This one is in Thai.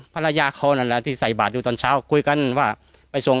ภรรยาเขานั่นแหละที่ใส่บาทอยู่ตอนเช้าคุยกันว่าไปส่ง